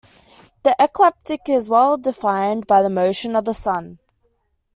The ecliptic is well defined by the motion of the Sun.